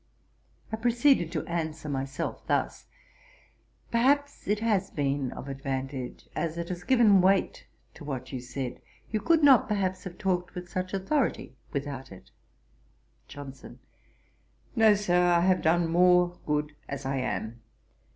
I proceeded to answer myself thus: 'Perhaps it has been of advantage, as it has given weight to what you said: you could not, perhaps, have talked with such authority without it.' JOHNSON. 'No, Sir; I have done more good as I am.